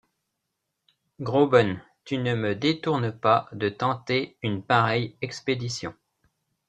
Graüben, tu ne me détournes pas de tenter une pareille expédition?